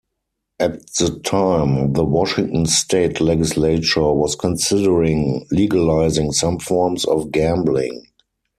At the time the Washington State legislature was considering legalizing some forms of gambling.